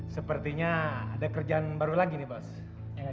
sepertinya ada kerjaan baru lagi nih mas